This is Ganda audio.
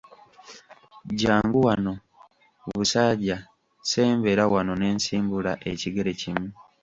Jjangu wano, busaaja, sembera wano ne nsimbula ekigere kimu.